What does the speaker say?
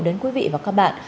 đến quý vị và các bạn